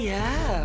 kamu sudah putus